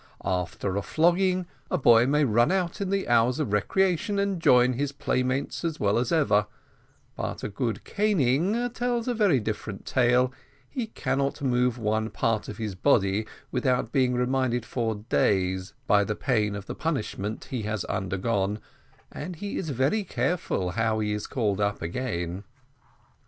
After a flogging, a boy may run out in the hours of recreation, and join his playmates as well as ever, but a good caning tells a very different tale; he cannot move one part of his body without being reminded for days by the pain of the punishment he has undergone, and he is very careful how he is called up again."